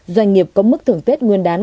doanh nghiệp có mức thưởng tết ngân đán